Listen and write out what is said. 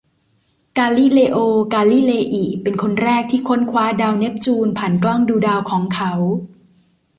กาลิเลโอ กาลิเลอิ เป็นคนแรกที่ค้นคว้าดาวเนปจูนผ่านกล้างดูดาวของเขา